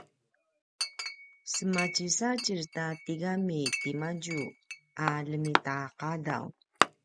sematjesatjez ta tigami timadju a ljemitaqadaw